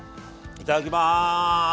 いただきます！